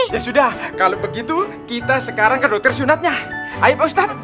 ya sudah kalau begitu kita sekarang ke dokter sunatnya aib ustadz